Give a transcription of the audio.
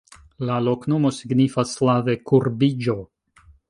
La loknomo signifas slave: kurbiĝo.